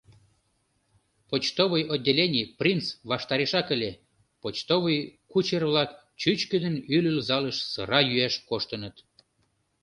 Почтовый отделений “Принц” ваштарешак ыле, почтовый кучер-влак чӱчкыдын ӱлыл залыш сыра йӱаш коштыныт.